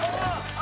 あ！